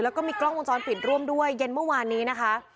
แล้วก็มีกล้องวงจรปิดร่วมด้วยเย็นเมื่อวานนี้นะคะ